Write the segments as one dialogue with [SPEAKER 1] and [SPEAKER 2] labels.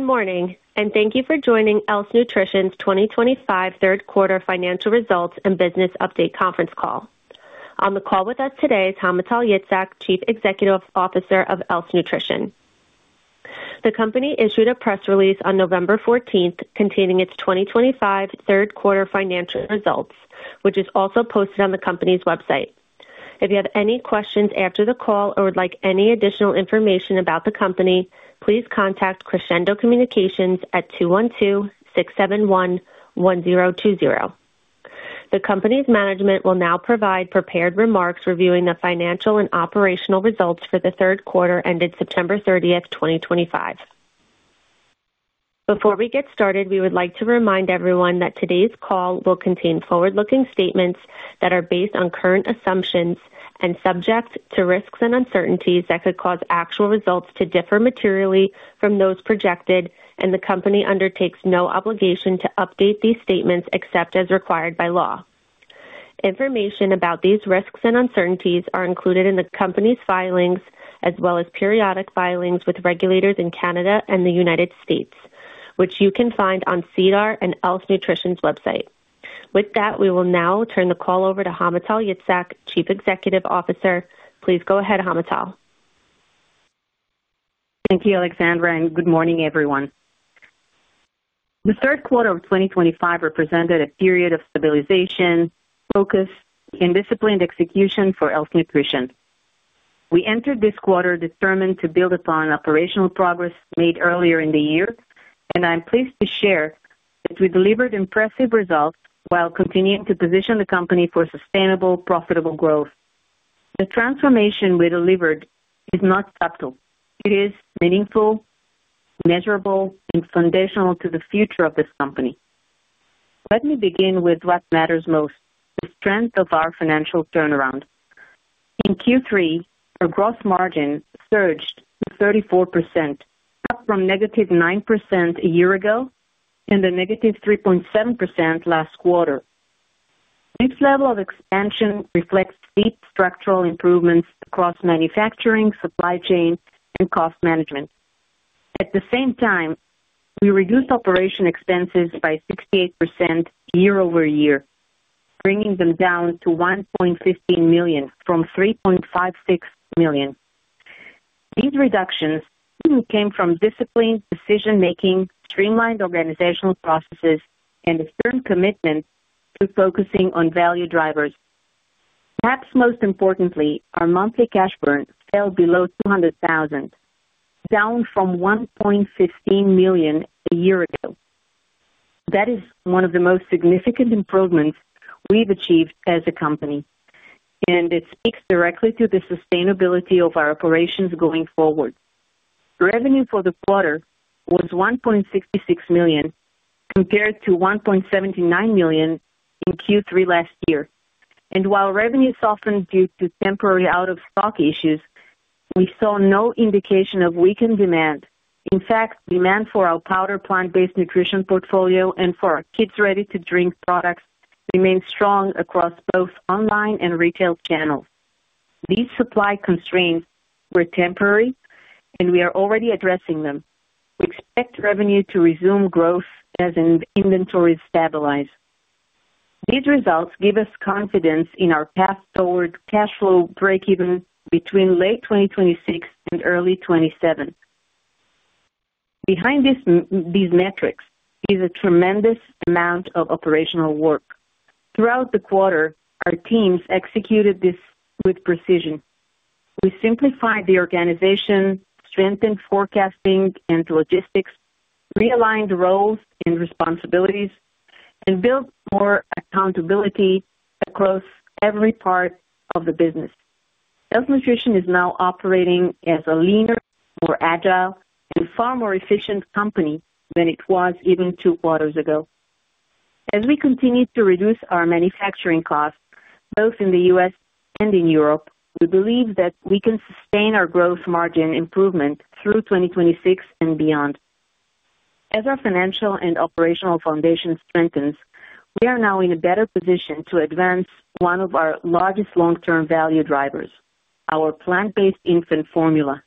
[SPEAKER 1] Good morning, and thank you for joining Else Nutrition's 2025 Third Quarter Financial Results and Business Update Conference Call. On the call with us today is Hamutal Yitzhak, Chief Executive Officer of Else Nutrition. The company issued a press release on November 14th containing its 2025 third quarter financial results, which is also posted on the company's website. If you have any questions after the call or would like any additional information about the company, please contact Crescendo Communications at 212-671-1020. The company's management will now provide prepared remarks reviewing the financial and operational results for the third quarter ended September 30th, 2025. Before we get started, we would like to remind everyone that today's call will contain forward-looking statements that are based on current assumptions and subject to risks and uncertainties that could cause actual results to differ materially from those projected, and the company undertakes no obligation to update these statements except as required by law. Information about these risks and uncertainties are included in the company's filings as well as periodic filings with regulators in Canada and the United States, which you can find on CDAR and Else Nutrition's website. With that, we will now turn the call over to Hamutal Yitzhak, Chief Executive Officer. Please go ahead, Hamutal.
[SPEAKER 2] Thank you, Alexandra, and good morning, everyone. The third quarter of 2025 represented a period of stabilization, focus, and disciplined execution for Else Nutrition. We entered this quarter determined to build upon operational progress made earlier in the year, and I'm pleased to share that we delivered impressive results while continuing to position the company for sustainable, profitable growth. The transformation we delivered is not subtle. It is meaningful, measurable, and foundational to the future of this company. Let me begin with what matters most: the strength of our financial turnaround. In Q3, our gross margin surged to 34%, up from negative 9% a year ago and a negative 3.7% last quarter. This level of expansion reflects deep structural improvements across manufacturing, supply chain, and cost management. At the same time, we reduced operation expenses by 68% year-over-year, bringing them down to $1.15 million from $3.56 million. These reductions came from disciplined decision-making, streamlined organizational processes, and a firm commitment to focusing on value drivers. Perhaps most importantly, our monthly cash burn fell below $200,000, down from $1.15 million a year ago. That is one of the most significant improvements we have achieved as a company, and it speaks directly to the sustainability of our operations going forward. Revenue for the quarter was $1.66 million compared to $1.79 million in Q3 last year. While revenue softened due to temporary out-of-stock issues, we saw no indication of weakened demand. In fact, demand for our powder plant-based nutrition portfolio and for our kids' ready-to-drink products remained strong across both online and retail channels. These supply constraints were temporary, and we are already addressing them. We expect revenue to resume growth as inventories stabilize. These results give us confidence in our path toward cash flow break-even between late 2026 and early 2027. Behind these metrics is a tremendous amount of operational work. Throughout the quarter, our teams executed this with precision. We simplified the organization, strengthened forecasting and logistics, realigned roles and responsibilities, and built more accountability across every part of the business. Else Nutrition is now operating as a leaner, more agile, and far more efficient company than it was even two quarters ago. As we continue to reduce our manufacturing costs, both in the U.S. and in Europe, we believe that we can sustain our gross margin improvement through 2026 and beyond. As our financial and operational foundation strengthens, we are now in a better position to advance one of our largest long-term value drivers: our plant-based infant formula.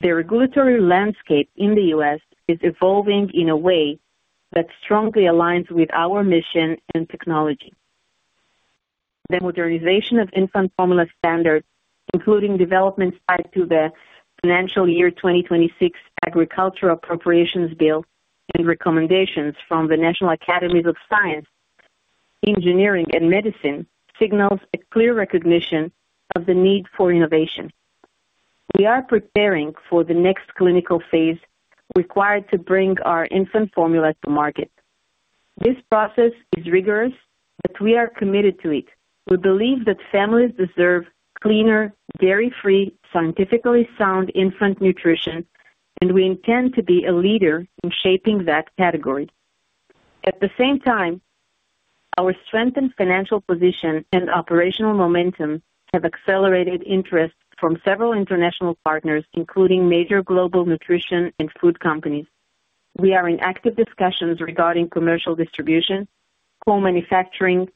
[SPEAKER 2] The regulatory landscape in the U.S. is evolving in a way that strongly aligns with our mission and technology. The modernization of infant formula standards, including developments tied to the Fiscal Year 2026 Agricultural Appropriations Bill and recommendations from the National Academies of Science, Engineering, and Medicine, signals a clear recognition of the need for innovation. We are preparing for the next clinical phase required to bring our infant formula to market. This process is rigorous, but we are committed to it. We believe that families deserve cleaner, dairy-free, scientifically sound infant nutrition, and we intend to be a leader in shaping that category. At the same time, our strengthened financial position and operational momentum have accelerated interest from several international partners, including major global nutrition and food companies. We are in active discussions regarding commercial distribution, co-manufacturing, and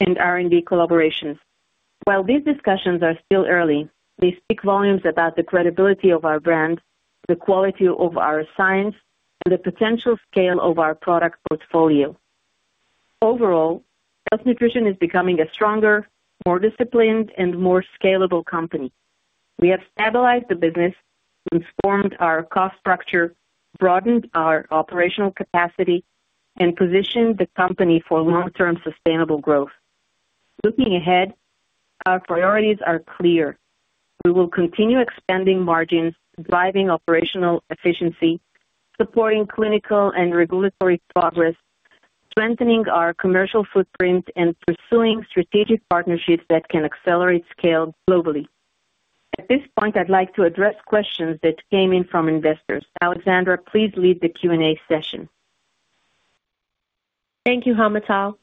[SPEAKER 2] R&D collaborations. While these discussions are still early, they speak volumes about the credibility of our brand, the quality of our science, and the potential scale of our product portfolio. Overall, Else Nutrition is becoming a stronger, more disciplined, and more scalable company. We have stabilized the business, transformed our cost structure, broadened our operational capacity, and positioned the company for long-term sustainable growth. Looking ahead, our priorities are clear. We will continue expanding margins, driving operational efficiency, supporting clinical and regulatory progress, strengthening our commercial footprint, and pursuing strategic partnerships that can accelerate scale globally. At this point, I'd like to address questions that came in from investors. Alexandra, please lead the Q&A session.
[SPEAKER 1] Thank you, Hamutal.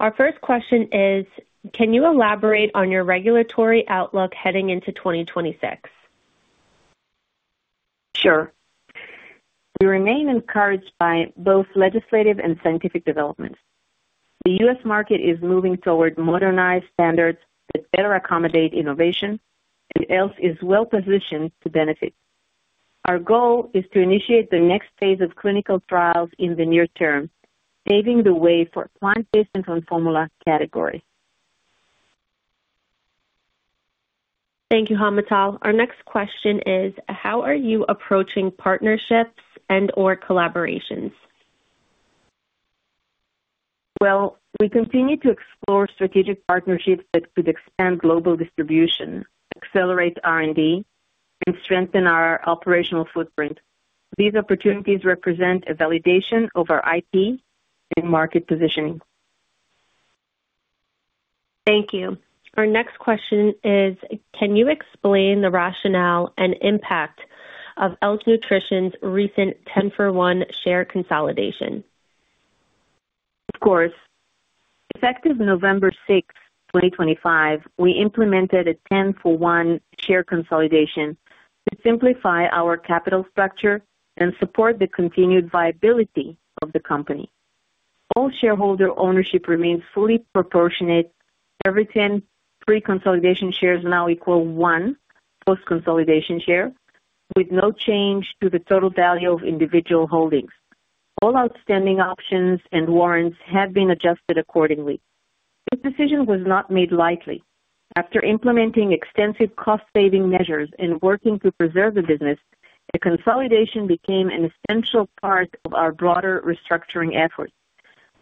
[SPEAKER 1] Our first question is, can you elaborate on your regulatory outlook heading into 2026?
[SPEAKER 2] Sure. We remain encouraged by both legislative and scientific developments. The U.S. market is moving toward modernized standards that better accommodate innovation, and Else is well-positioned to benefit. Our goal is to initiate the next phase of clinical trials in the near term, paving the way for plant-based infant formula categories.
[SPEAKER 1] Thank you, Hamutal. Our next question is, how are you approaching partnerships and/or collaborations?
[SPEAKER 2] We continue to explore strategic partnerships that could expand global distribution, accelerate R&D, and strengthen our operational footprint. These opportunities represent a validation of our IP and market positioning.
[SPEAKER 1] Thank you. Our next question is, can you explain the rationale and impact of Else Nutrition's recent 10-for-1 share consolidation?
[SPEAKER 2] Of course. Effective November 6th, 2025, we implemented a 10-for-1 share consolidation to simplify our capital structure and support the continued viability of the company. All shareholder ownership remains fully proportionate. Every 10 pre-consolidation shares now equal one post-consolidation share, with no change to the total value of individual holdings. All outstanding options and warrants have been adjusted accordingly. This decision was not made lightly. After implementing extensive cost-saving measures and working to preserve the business, the consolidation became an essential part of our broader restructuring efforts.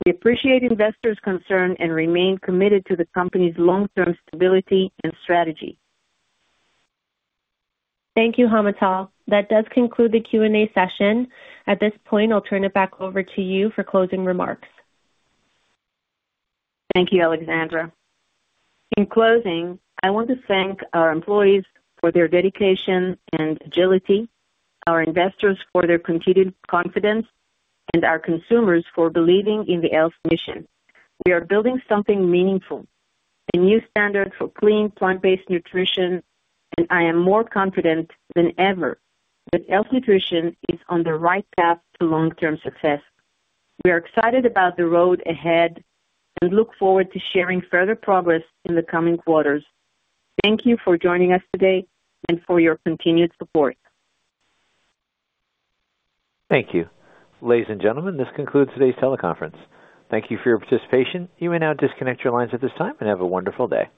[SPEAKER 2] We appreciate investors' concern and remain committed to the company's long-term stability and strategy.
[SPEAKER 1] Thank you, Hamutal. That does conclude the Q&A session. At this point, I'll turn it back over to you for closing remarks.
[SPEAKER 2] Thank you, Alexandra. In closing, I want to thank our employees for their dedication and agility, our investors for their continued confidence, and our consumers for believing in the Else mission. We are building something meaningful, a new standard for clean plant-based nutrition, and I am more confident than ever that Else Nutrition is on the right path to long-term success. We are excited about the road ahead and look forward to sharing further progress in the coming quarters. Thank you for joining us today and for your continued support.
[SPEAKER 3] Thank you. Ladies and gentlemen, this concludes today's teleconference. Thank you for your participation. You may now disconnect your lines at this time and have a wonderful day.